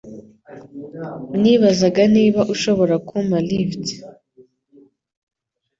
Nibazaga niba ushobora kumpa lift?